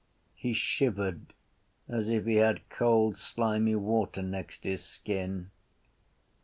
He shivered as if he had cold slimy water next his skin.